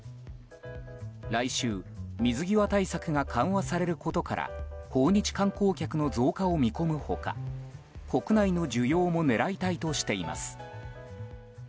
来週、水際対策が緩和されることから訪日観光客の増加を見込む他国内の需要も狙いたいとしています。